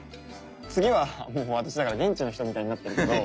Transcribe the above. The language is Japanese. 次はもう私現地の人みたいになってるけど。